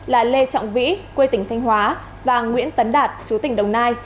là lê trọng vĩ quê tỉnh thanh hóa và nguyễn tấn đạt chú tỉnh đồng nai